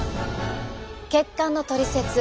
血管のトリセツ